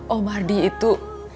oh ardi itu